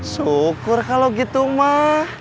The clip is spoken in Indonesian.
syukur kalau gitu mah